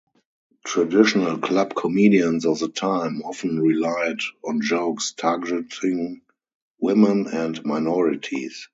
Traditional club comedians of the time often relied on jokes targeting women and minorities.